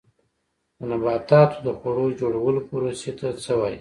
د نباتاتو د خواړو جوړولو پروسې ته څه وایي